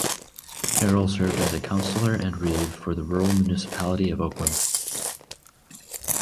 Carroll served as a councillor and reeve for the Rural Municipality of Oakland.